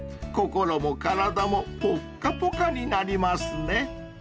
［心も体もぽっかぽかになりますね］